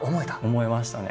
思えましたね